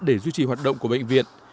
để duy trì hoạt động của bệnh viện